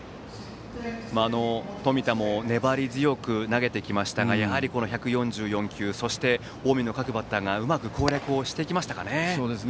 冨田も粘り強く投げてきましたがやはり１４４球そして、近江の各バッターがうまく攻略をしてきましたかね。